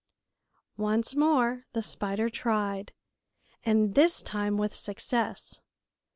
Once more the spider tried, and this time with success.